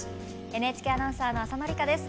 ＮＨＫアナウンサーの浅野里香です。